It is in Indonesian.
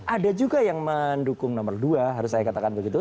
ada juga yang mendukung nomor dua harus saya katakan begitu